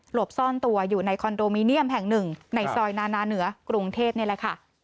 บซ่อนตัวอยู่ในคอนโดมิเนียมแห่งหนึ่งในซอยนานาเหนือกรุงเทพนี่แหละค่ะ